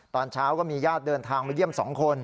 ตอนเช้าก็มีญาติเดินทางมาเยี่ยม๒คน